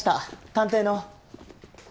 探偵の。